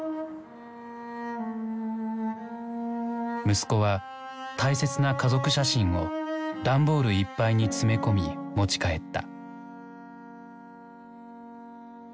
息子は大切な家族写真をダンボールいっぱいに詰め込み持ち帰った。